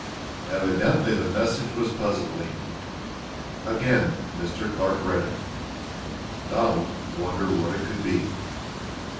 Evidently the message was puzzling. Again Mr. Clark read it. Donald wondered what it could be.